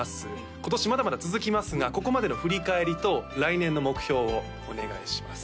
今年まだまだ続きますがここまでの振り返りと来年の目標をお願いします